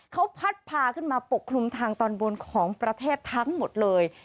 เขาพัดพาขึ้นมาปกคลุมทางตอนบนของประเทศทั้งหมดเลย